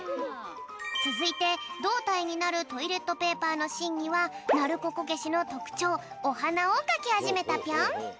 つづいてどうたいになるトイレットペーパーのしんにはなるここけしのとくちょうおはなをかきはじめたぴょん。